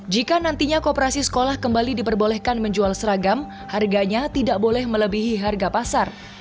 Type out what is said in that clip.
jika nantinya kooperasi sekolah kembali diperbolehkan menjual seragam harganya tidak boleh melebihi harga pasar